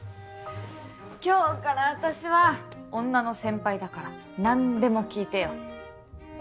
今日からあたしは女の先輩だから何でも聞いてよ。